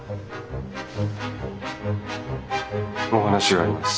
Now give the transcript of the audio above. お話があります。